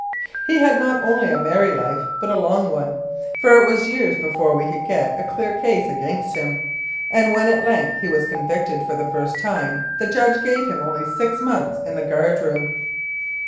He had not only a merry life, but a long one, for it was years before we could get a clear case against him, and when at length he was convicted for the first time the judge gave him only six months in the guard room.